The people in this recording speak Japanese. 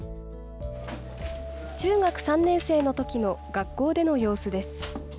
中学３年生のときの学校での様子です。